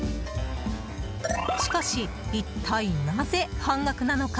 しかし、一体なぜ半額なのか？